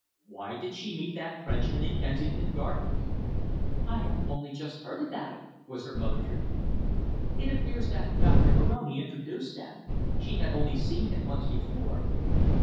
Why did she meet that Frenchman in Kensington Gardens?" "I have only just heard about it," was her mother's reply. "It appears that Doctor Moroni introduced them. She had only seen him once before."